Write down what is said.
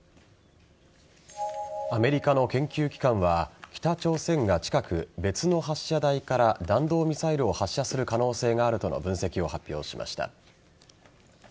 アメリカの研究機関は北朝鮮が近く、別の発射台から弾道ミサイルを発射する可能性があるとの分析を発表しました。